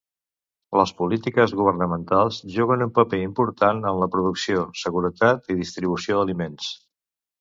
Les polítiques governamentals juguen un paper important en la producció, seguretat i distribució d'aliments.